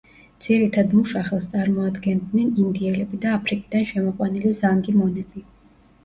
ძირითად მუშახელს წარმოადგენდნენ ინდიელები და აფრიკიდან შემოყვანილი ზანგი მონები.